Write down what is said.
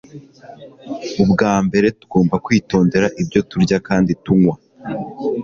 ubwa mbere, tugomba kwitondera ibyo turya kandi tunywa